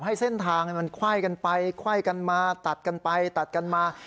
ให้เส้นทางมันคว่ายกันไปคว่ายกันมาตัดกันไปตัดกันมา